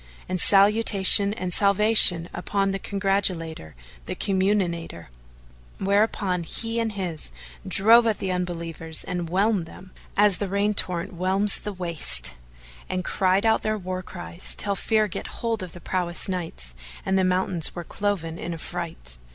and Salutation and Salvation upon the Congratulator, the Comminator."[FN#439] Whereupon he and his drove at the Unbelievers and whelmed them, as the rain torrent whelms the waste; and cried out their war cries, till fear get hold of the prowess Knights and the mountains were cloven in affright.